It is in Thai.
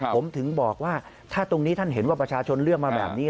ผมถึงบอกว่าถ้าตรงนี้ท่านเห็นว่าประชาชนเลือกมาแบบนี้